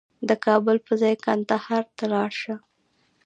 د کابل په ځای کندهار ته لاړ شه